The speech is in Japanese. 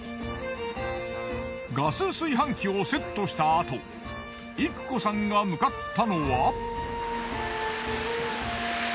ガス炊飯器をセットしたあといく子さんが向かったのは。